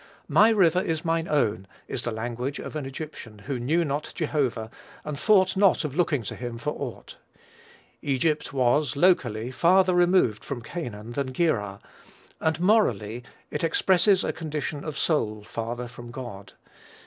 "My river is mine own," is the language of an Egyptian who knew not Jehovah, and thought not of looking to him for aught. Egypt was, locally, farther removed from Canaan than Gerar; and, morally, it expresses a condition of soul farther from God.